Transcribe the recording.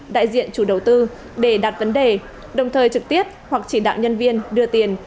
đại diện chủ đầu tư để đặt vấn đề đồng thời trực tiếp hoặc chỉ đạo nhân viên đưa tiền